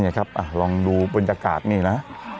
นี่ครับอ่ะลองดูบริกาศนี่นะ